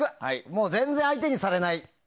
全然、相手にされない。